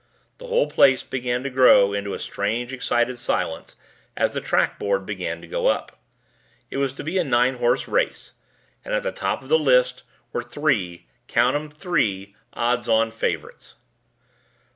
The whole place began to grow into a strange excited silence as the track board began to go up. It was to be a nine horse race, and at the top of the list were three count them three odds on favorites: 1.